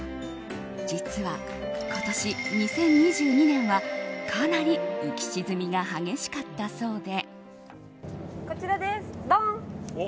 実は今年、２０２２年はかなり浮き沈みが激しかったそうで。